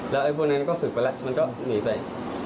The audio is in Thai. แล้วไอ้พวกนั้นก็ศึกไปแล้วมันก็หนีไป